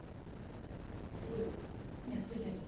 おおい何やってんだよ。